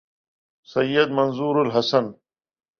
سید Manzoor الحسن